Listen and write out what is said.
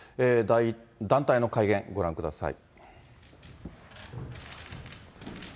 団体の会見、ご覧ください。